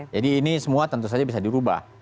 jadi ini semua tentu saja bisa dirubah